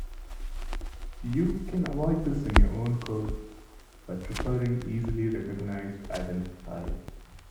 You can avoid this in your own code by preferring easily recognized identifiers.